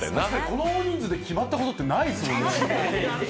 この大人数で決まったことってないですもんね。